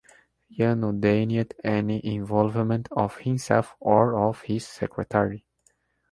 Yano denied any involvement of himself or of his secretary.